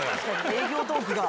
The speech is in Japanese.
営業トークが。